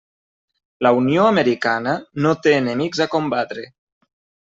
La Unió americana no té enemics a combatre.